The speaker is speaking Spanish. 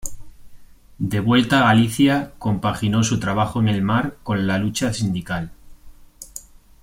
De vuelta a Galicia, compaginó su trabajo en el mar con la lucha sindical.